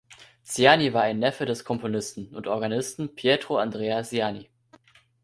Ziani war ein Neffe des Komponisten und Organisten Pietro Andrea Ziani.